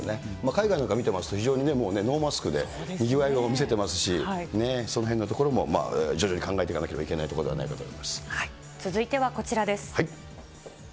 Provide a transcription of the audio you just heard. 海外なんか見てますと、非常にね、もうノーマスクで、にぎわいも見せてますし、そのへんのところも徐々に考えていかなければいけないところではよいしょ！